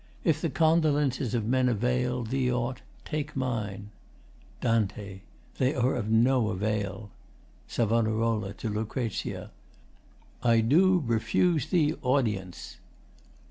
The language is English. If the condolences of men avail Thee aught, take mine. DAN. They are of no avail. SAV. [To LUC.] I do refuse thee audience.